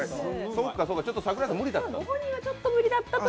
ちょっと桜井さん、無理だったか。